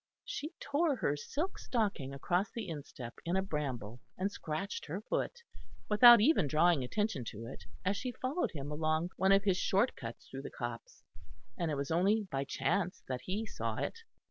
She tore her silk stocking across the instep in a bramble and scratched her foot, without even drawing attention to it, as she followed him along one of his short cuts through the copse; and it was only by chance that he saw it.